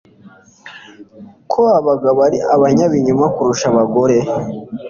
ko abagabo ari abanyabinyoma kurusha abagore